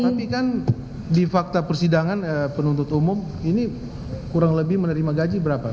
tapi kan di fakta persidangan penuntut umum ini kurang lebih menerima gaji berapa